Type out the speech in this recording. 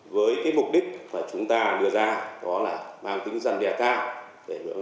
với mục đích mà chúng ta đưa ra đó là mang tính dân đề cao